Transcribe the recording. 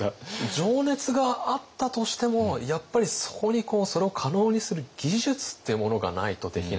情熱があったとしてもやっぱりそこにそれを可能にする技術ってものがないとできない。